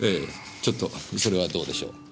ちょっとそれはどうでしょう。